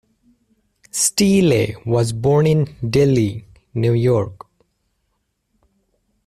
Steele was born in Delhi, New York.